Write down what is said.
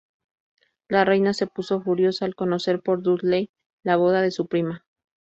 La reina se puso furiosa al conocer por Dudley la boda de su prima.